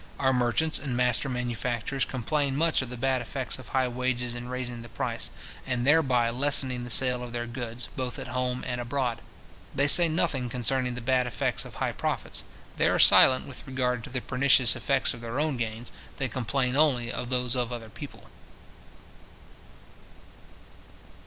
Our merchants and master manufacturers complain much of the bad effects of high wages in raising the price, and thereby lessening the sale of their goods, both at home and abroad. They say nothing concerning the bad effects of high profits; they are silent with regard to the pernicious effects of their own gains; they complain only of those of other people.